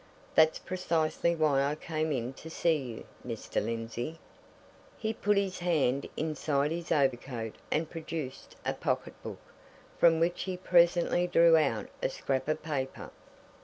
That's precisely why I came in to see you, Mr. Lindsey." He put his hand inside his overcoat and produced a pocket book, from which he presently drew out a scrap of paper.